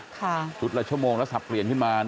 ค่ะชุดละชั่วโมงละศัพท์เกลียนขึ้นมา